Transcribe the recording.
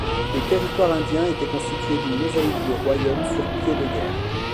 Le territoire indien était constitué d'une mosaïque de royaumes sur pied de guerre.